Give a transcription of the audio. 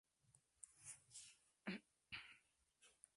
Las lenguas a posteriori se pueden clasificar en esquemáticas y naturalistas.